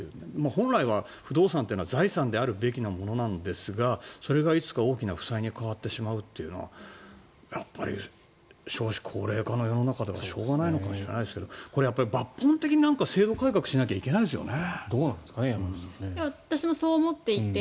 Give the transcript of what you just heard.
本来は不動産は財産であるべきものですがそれがいつか大きな負債に変わってしまうというのはやっぱり少子高齢化の世の中ではしょうがないのかもしれないですが、抜本的に何か制度改革しなきゃいけないですよね。